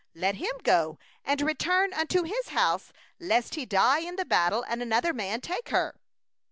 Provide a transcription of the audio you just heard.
let him go and return unto his house, lest he die in the battle, and another man take her.